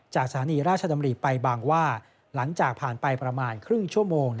สถานีราชดำริไปบางว่าหลังจากผ่านไปประมาณครึ่งชั่วโมง